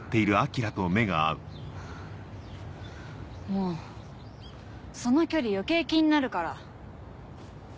もうその距離余計気になるから。